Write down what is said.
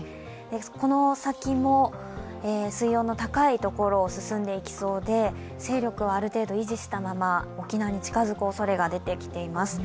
この先も水温の高い所を進んでいきそうで勢力はある程度維持したまま、沖縄に近づくおそれが出てきています。